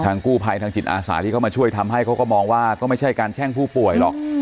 กู้ภัยทางจิตอาสาที่เข้ามาช่วยทำให้เขาก็มองว่าก็ไม่ใช่การแช่งผู้ป่วยหรอก